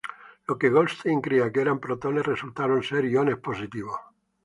Lo que Goldstein creía que eran protones resultaron ser iones positivos.